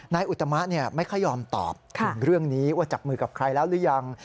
อุตมะไม่ค่อยยอมตอบถึงเรื่องนี้ว่าจับมือกับใครแล้วหรือยัง